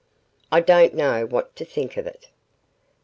I don't know what to think of it."